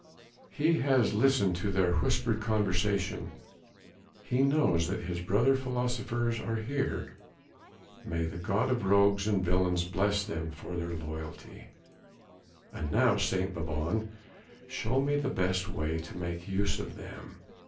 He has listened to the whispered conversation he knows that his brother philosophers are here. May the God of rogues and villains bless them for their loyalty. "And now St. Bavon show me the best way to make use of them!"